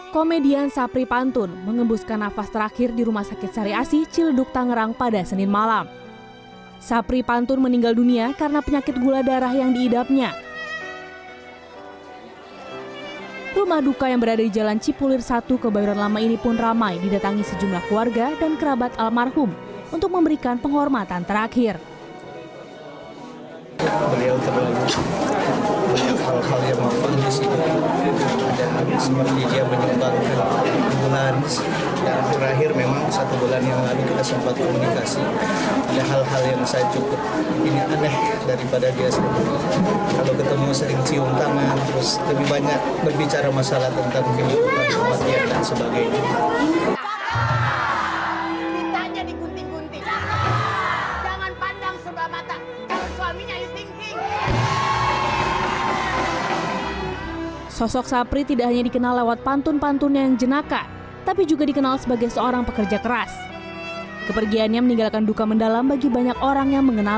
komedian sapri pantun